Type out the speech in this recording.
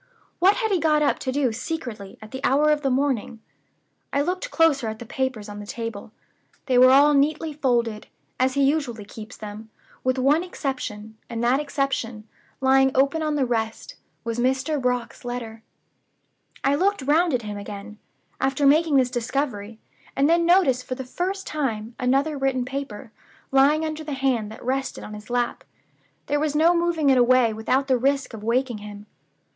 What had he got up to do secretly, at that hour of the morning? I looked closer at the papers on the table. They were all neatly folded (as he usually keeps them), with one exception; and that exception, lying open on the rest, was Mr. Brock's letter. "I looked round at him again, after making this discovery, and then noticed for the first time another written paper, lying under the hand that rested on his lap. There was no moving it away without the risk of waking him.